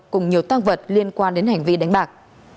cùng nhiều tăng vật liên quan đến hành vi đánh bạc